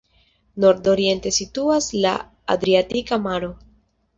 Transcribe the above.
Nord-oriente situas la Adriatika maro.